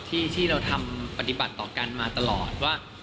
ที่เราทำปฏิบัติต่อกันมาตลอดว่า